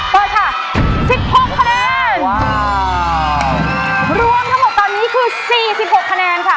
เปิดค่ะสิบหกคะแนนรวมทั้งหมดตอนนี้คือสี่สิบหกคะแนนค่ะ